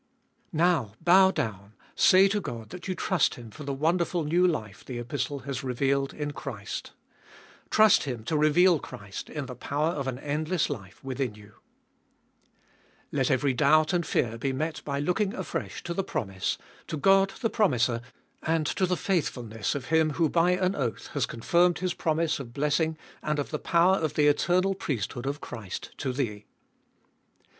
1. Now, bow down, say to God that you trust Him for the wonderful new life the Epistle has revealed in Christ. Trust Him to reveal Christ, in the power of an endless life, within you, 2. Let every doubt and fear be met by looking afresh to the promise, to God the promiser, and to the faithfulness of Him who by an oath has confirmed His promise of blessing and of the power of the eternal priesthood of Christ to thee.